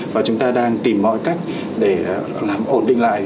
và chúng ta đang tìm mọi cách để làm ổn định lại